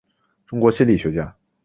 中国心理学家。